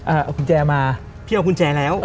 เอากุญแจมาพี่เอากุญแจแล้ว